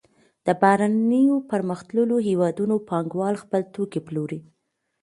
د بهرنیو پرمختللو هېوادونو پانګوال خپل توکي پلوري